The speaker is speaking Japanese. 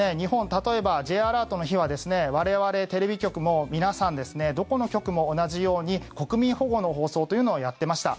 例えば、Ｊアラートの日は我々、テレビ局も皆さんどこの局も同じように国民保護の放送というのをやっていました。